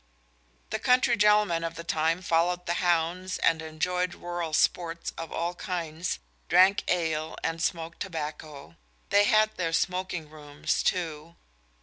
The country gentlemen of the time followed the hounds and enjoyed rural sports of all kinds, drank ale, and smoked tobacco. They had their smoking rooms too.